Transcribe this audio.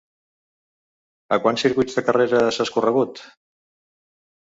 A quants circuits de carreres has corregut?